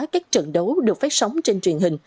các trận đấu được phát sóng trên truyền hình